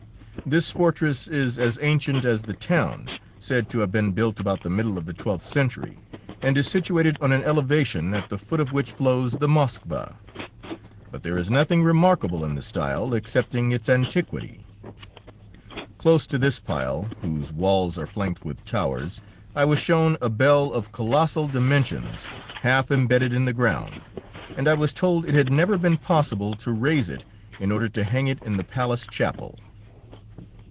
This fortress is as ancient as the town, said to have been built about the middle of the twelfth century, and is situated on an elevation at the foot of which flows the Moskva, but there is nothing remarkable in the style excepting its antiquity. Close to this pile, whose walls are flanked with towers, I was shown a bell of colossal dimensions half embedded in the ground, and I was told it had never been possible to raise it in order to hang it in the palace chapel.